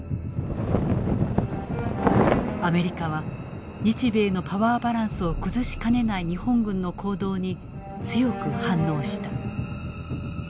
アメリカは日米のパワーバランスを崩しかねない日本軍の行動に強く反応した。